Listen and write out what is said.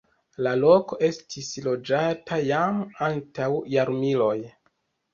La loko estis loĝata jam antaŭ jarmiloj.